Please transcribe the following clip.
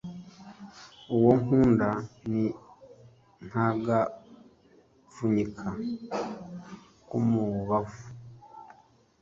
uwo nkunda ni nk'agapfunyika k'umubavu